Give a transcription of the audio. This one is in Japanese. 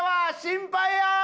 心配やー！